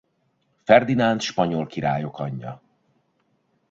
Ferdinánd spanyol királyok anyja.